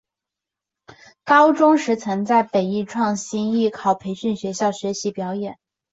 高中时曾在北艺创星艺考培训学校学习表演。